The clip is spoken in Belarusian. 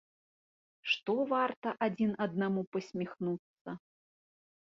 Што варта адзін аднаму пасміхнуцца?